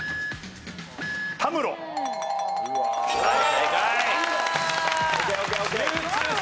正解。